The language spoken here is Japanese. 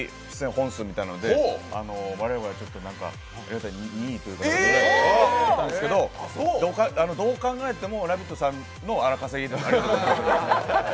本数みたいなので我々２位ということだったんですけどどう考えても「ラヴィット！」さんの荒稼ぎで。